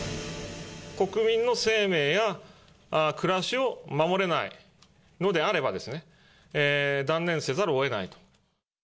国民の生命や暮らしを守れないのであれば、断念せざるをえないと。